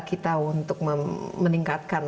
kita untuk meningkatkan